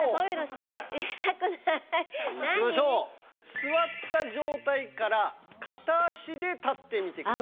座った状態から片足で立ってみてください。